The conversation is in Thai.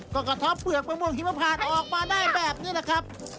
ก็กระท้อเปลือกมะม่วงหิมพานออกมาได้แบบนี้แหละครับ